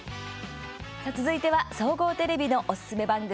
続いては総合テレビのおすすめ番組。